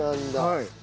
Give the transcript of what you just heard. はい。